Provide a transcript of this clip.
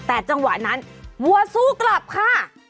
แต่จังหวะนั้นวัวสู้กลับค่ะ